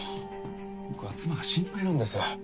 僕は妻が心配なんです。